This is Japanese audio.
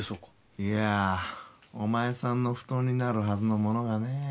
いやあお前さんの布団になるはずの物がねえ